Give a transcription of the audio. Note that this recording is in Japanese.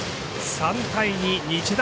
３対２日大